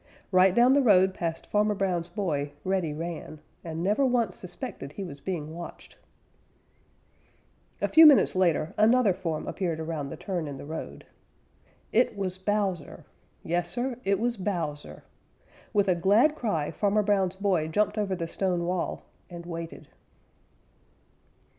Right down the road past Farmer Brown's boy Reddy ran, and never once suspected he was being watched. A few minutes later another form appeared around the turn in the road. It was Bowser! Yes, Sir, it was Bowser! With a glad cry Farmer Brown's boy jumped over the stone wall and waited.